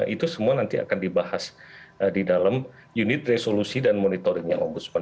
itu semua nanti akan dibahas di dalam unit resolusi dan monitoringnya ombudsman